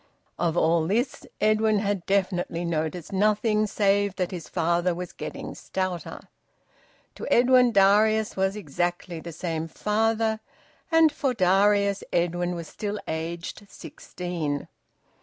Of all this, Edwin had definitely noticed nothing save that his father was `getting stouter.' To Edwin, Darius was exactly the same father, and for Darius, Edwin was still aged sixteen.